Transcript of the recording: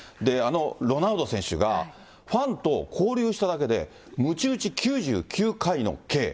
ロナウド選手が、ファンと交流しただけで、むち打ち９９回の刑。